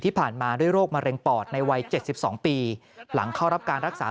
ที่ผ่านมาด้วยโรคมะเร็งปอดในวัย๗๒ปีหลังเข้ารับการรักษา